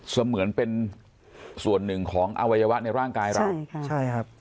เสมือนเป็นส่วนหนึ่งของอวัยวะในร่างกายเราใช่ค่ะใช่ครับ